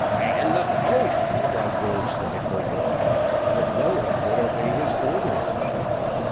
"Man the boat," cried Vanslyperken. But no one would obey the order.